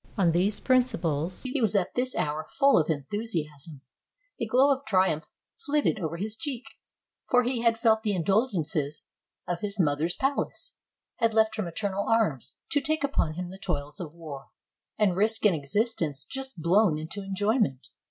On these principles, he was at this hour full of enthusiasm; a glow of triumph flitted over his cheek, for he had felt the indulgences of his mother's palace, had left her maternal arms, to take upon him the toils of war, and risk an existence just blown intoenjojTnent.